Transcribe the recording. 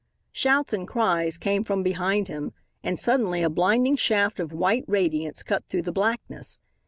Shouts and cries came from behind him, and suddenly a blinding shaft of white radiance cut through the blackness.